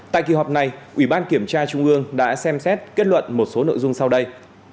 tại kỳ họp này ủy ban kiểm tra trung ương đã xem xét kết luận một số nội dung sau đây